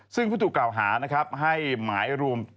ซึ่งผู้ถูกกล่าวหานะครับให้หมายรวม